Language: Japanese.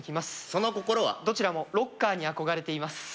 その心はどちらもロッカーに憧れています